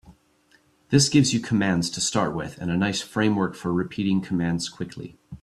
This gives you commands to start with and a nice framework for repeating commands quickly.